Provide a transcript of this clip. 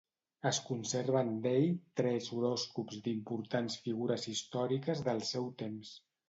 Es conserven d'ell tres horòscops d'importants figures històriques del seu temps.